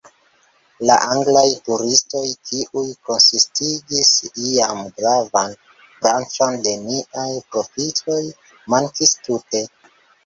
La Anglaj turistoj, kiuj konsistigis iam gravan branĉon de niaj profitoj, mankis tute.